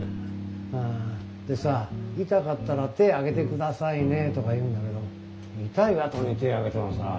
でさ痛かったら手あげて下さいねとか言うんだけど痛いあとに手あげてもさ